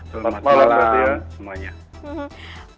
selamat malam semuanya